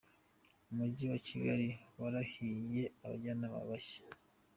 Umujyi wa Kigali warahije Abajyanama bashya